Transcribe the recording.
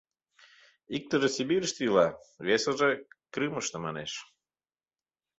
— Иктыже Сибирьыште ила, весыже — Крымыште, — манеш.